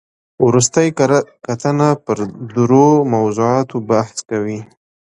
ورستۍ کره کتنه پر درو موضوعاتو بحث کوي.